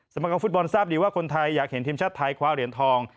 มาคมฟุตบอลทราบดีว่าคนไทยอยากเห็นทีมชาติไทยคว้าเหรียญทอง